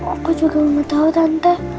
aku juga gak tau tante